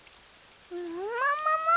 ももももも！